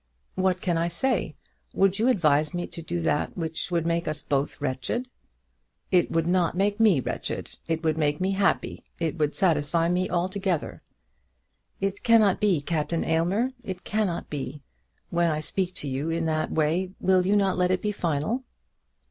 "What can I say? Would you advise me to do that which would make us both wretched?" "It would not make me wretched. It would make me happy. It would satisfy me altogether." "It cannot be, Captain Aylmer. It cannot be. When I speak to you in that way, will you not let it be final?"